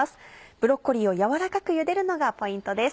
ブロッコリーを軟らかくゆでるのがポイントです。